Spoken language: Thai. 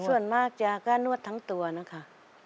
ส่วนมากจะก็นวดทั้งตัวนะคะ